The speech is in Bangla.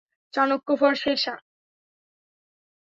চাণক্য ফর শেরশাহ!